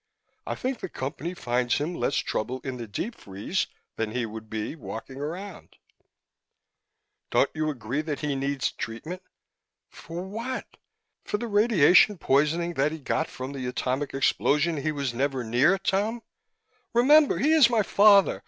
I think the Company finds him less trouble in the deep freeze than he would be walking around." "But don't you agree that he needs treatment?" "For what? For the radiation poisoning that he got from the atomic explosion he was nowhere near, Tom? Remember, he is my father!